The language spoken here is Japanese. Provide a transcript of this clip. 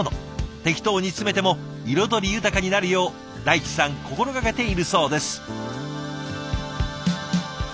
適当に詰めても彩り豊かになるよう大地さん心がけているそうです。